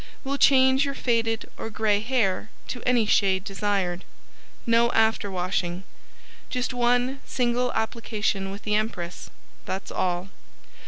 Will change your faded or gray hair to any shade desired. No after washing. Just one single application with the Empress, that's all.